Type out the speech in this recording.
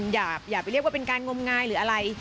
อย่าไปเรียกว่าเป็นการงมงายหรืออะไร